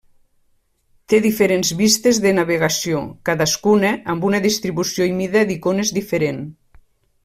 Té diferents vistes de navegació, cadascuna amb una distribució i mida d'icones diferent.